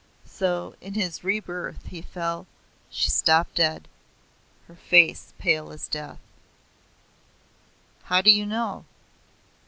So in his rebirth he fell " She stopped dead; her face pale as death. "How do you know?